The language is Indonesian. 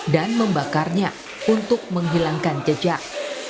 dan membakarnya untuk menghilangkan jejak